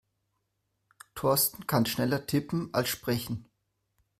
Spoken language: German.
Thorsten kann schneller tippen als sprechen.